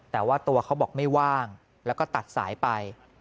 แต่ว่าตัวเขาบอกไม่ว่างแล้วก็ตัดสายไป